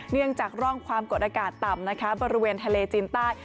จากร่องความกดอากาศต่ำนะคะบริเวณทะเลจีนใต้